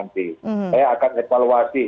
saya akan evaluasi